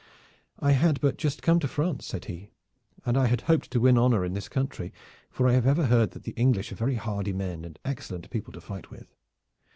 "I had but just come from France," said he, "and I had hoped to win honor in this country, for I have ever heard that the English are very hardy men and excellent people to fight with.